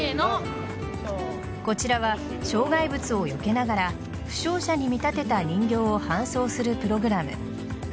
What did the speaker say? こちらは障害物をよけながら負傷者に見立てた人形を搬送するプログラム。